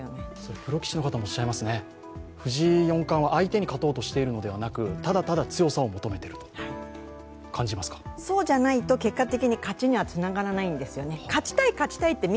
プロ棋士の方もおっしゃいますね藤井四冠は相手に勝とうとしているのではなくただただ強さを求めているそうじゃないと結果的に勝ちにはつながらないんですよね。